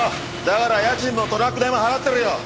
だから家賃もトラック代も払ってるよ。